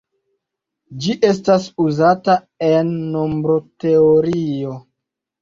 Ĝi estas uzata en nombroteorio.